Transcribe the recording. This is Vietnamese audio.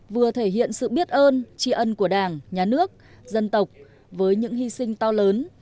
vừa thể hiện sự biết ơn tri ân của đảng nhà nước dân tộc với những hy sinh to lớn